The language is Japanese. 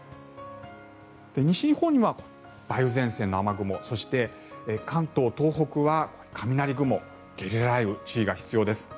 西日本には梅雨前線の雨雲そして関東、東北は雷雲ゲリラ雷雨に注意が必要です。